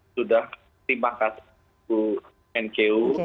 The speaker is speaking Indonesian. sudah terima kasih nku